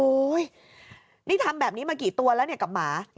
นี่ทำแบบนี้มากี่ตัวแล้วเนี่ยกับหมา